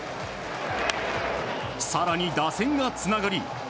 更に打線がつながり